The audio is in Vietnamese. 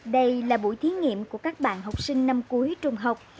đây là buổi thí nghiệm của các bạn học sinh năm cuối trung học